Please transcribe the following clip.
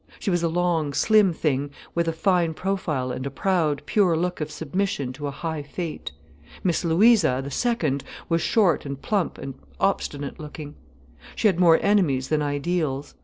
She was a long, slim thing with a fine profile and a proud, pure look of submission to a high fate. Miss Louisa, the second, was short and plump and obstinate looking. She had more enemies than ideals.